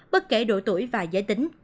bất kể độ tuổi và giới tính